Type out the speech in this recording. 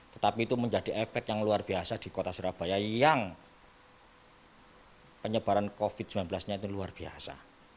tetapi itu menjadi efek yang luar biasa di kota surabaya yang penyebaran covid sembilan belas nya itu luar biasa